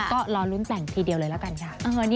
ก็รอลุ้นแต่งทีเดียวเลยละกันค่ะ